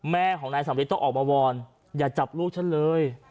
แม่ของนายสำริทต้องออกมาวอนอย่าจับลูกฉันเลย